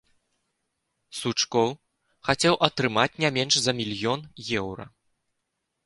Сучкоў хацеў атрымаць не менш за мільён еўра.